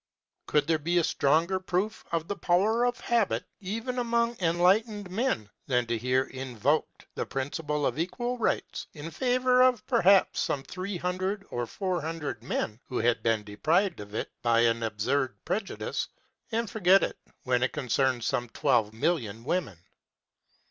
Could there be a stronger proof of the power of habit, even among enlightened men, than to hear invoked the principle of equal rights in favour of perhaps some 300 or 400 men, who had been deprived of it by an absurd prejudice, and forget it when it concerns some 12,000,000 women?